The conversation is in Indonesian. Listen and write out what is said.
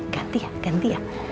ganti ya ganti ya